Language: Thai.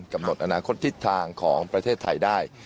กำหนดอนาคตทิศทางของประเทศไทยได้